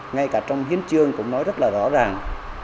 ngay cả trong hiến trường cũng nói rất là rõ ràng